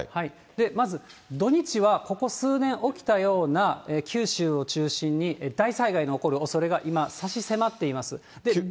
まず、土日は、ここ数年起きたような、九州を中心に大災害の起こるおそれが今、差し迫っています。